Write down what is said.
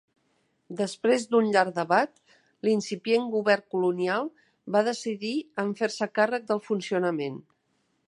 Després d'un llarg debat, l'incipient govern colonial va decidir en fer-se càrrec del funcionament.